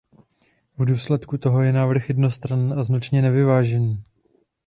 V důsledku toho je návrh jednostranný a značně nevyvážený.